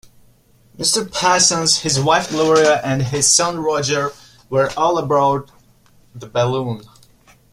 Mr. Parsons, his wife Gloria, and his son Roger were all aboard the balloon.